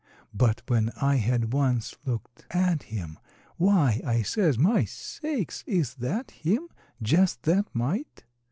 But when I had once looked at him, "Why!" I says, "My sakes, is that him? Just that mite!"